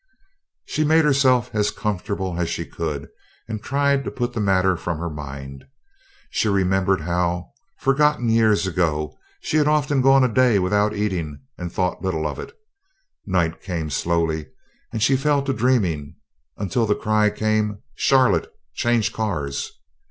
She made herself as comfortable as she could, and tried to put the matter from her mind. She remembered how, forgotten years ago, she had often gone a day without eating and thought little of it. Night came slowly, and she fell to dreaming until the cry came, "Charlotte! Change cars!"